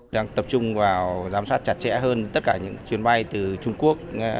đang tập trung vào giám sát chặt chẽ hơn tất cả những chuyến bay từ trung quốc